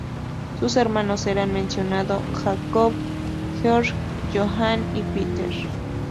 Sus hermanos eran el mencionado Jacob, George, Johann y Peter.